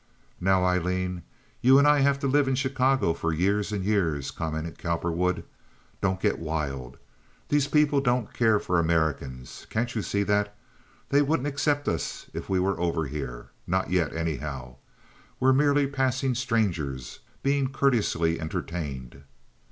"Now, Aileen, you and I have to live in Chicago for years and years," commented Cowperwood. "Don't get wild. These people don't care for Americans, can't you see that? They wouldn't accept us if we were over here—not yet, anyhow. We're merely passing strangers, being courteously entertained."